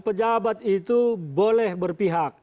pejabat itu boleh berpihak